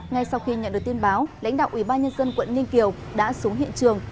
ngay sau khi nhận được tin báo lãnh đạo ủy ban nhân dân quận ninh kiều đã xuống hiện trường